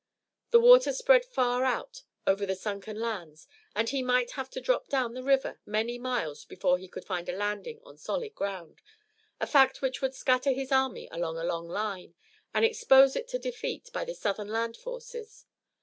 The water spread far out over the sunken lands and he might have to drop down the river many miles before he could find a landing on solid ground, a fact which would scatter his army along a long line, and expose it to defeat by the Southern land forces.